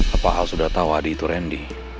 apa al sudah tau adi itu randy